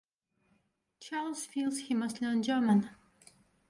Charles feels he must learn German.